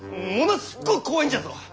すっごう怖いんじゃぞ！